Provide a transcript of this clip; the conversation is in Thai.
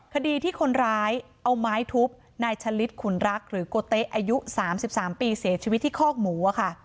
คดีที่คนร้ายเอาไม้ทุบนายชะลิดขุนรักหรือโกเต๊ะอายุ๓๓ปีเสียชีวิตที่คอกหมูค่ะ